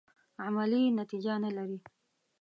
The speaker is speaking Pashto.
عملي نتیجه نه لري.